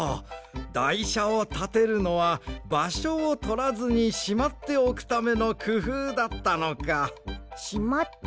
だいしゃをたてるのはばしょをとらずにしまっておくためのくふうだったのか。